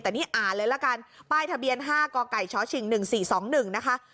แต่นี่อ่านเลยละกันป้ายทะเบียน๕กกชชิง๑๔๒๑นะคะ